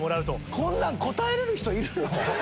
こんなん答えられる人いるの？